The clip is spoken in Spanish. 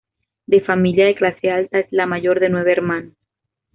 De familia de clase alta, es la mayor de nueve hermanos.